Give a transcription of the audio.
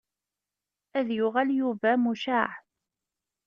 Ad yuɣal Yuba mucaɛ.